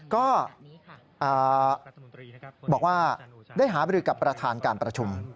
ก็บอกว่าได้หาบริกับประธานการประชุม